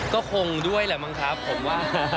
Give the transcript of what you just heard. ก็คงด้วยแหละมั้งครับผมว่า